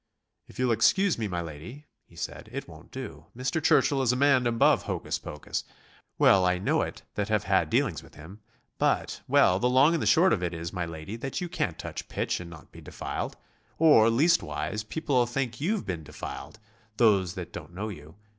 "'If you'll excuse me, my lady,' he said, 'it won't do. Mr. Churchill is a man above hocus pocus. Well I know it that have had dealings with him. But ... well, the long and the short of it is, my lady, that you can't touch pitch and not be defiled; or, leastwise, people'll think you've been defiled those that don't know you.